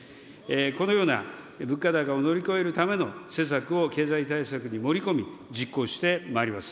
このような物価高を乗り越えるための施策を経済対策に盛り込み、実行してまいります。